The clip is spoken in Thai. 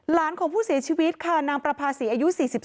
ของผู้เสียชีวิตค่ะนางประภาษีอายุ๔๓